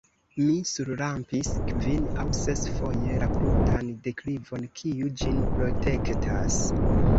Mi surrampis kvin- aŭ ses-foje la krutan deklivon, kiu ĝin protektas.